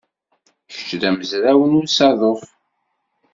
Kečč d amezraw n usaḍuf?